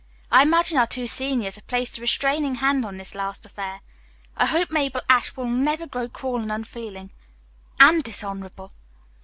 I imagine our two seniors have placed a restraining hand on this last affair. I hope Mabel Ashe will never grow cruel and unfeeling and dishonorable."